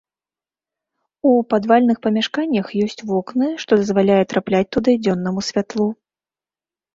У падвальных памяшканнях ёсць вокны, што дазваляе трапляць туды дзённаму святлу.